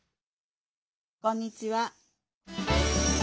こんにちは。